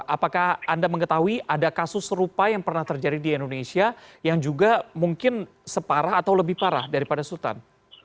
apakah anda mengetahui ada kasus serupa yang pernah terjadi di indonesia yang juga mungkin separah atau lebih parah daripada sultan